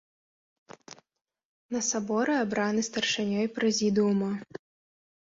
На саборы абраны старшынёй прэзідыума.